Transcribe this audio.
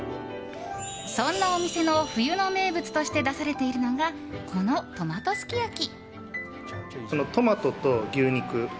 そんなお店の冬の名物として出されているのがこのトマトすき焼き。